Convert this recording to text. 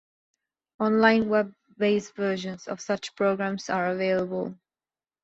On-line web-based versions of such programs are available.